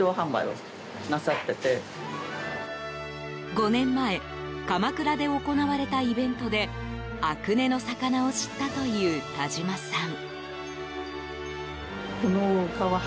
５年前鎌倉で行われたイベントで阿久根の魚を知ったという田島さん。